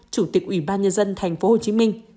chủ tịch ủy ban nhân dân tp hcm